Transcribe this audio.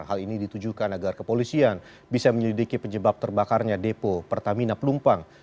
hal ini ditujukan agar kepolisian bisa menyelidiki penyebab terbakarnya depo pertamina pelumpang